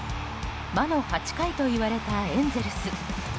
魔の８回と言われたエンゼルス。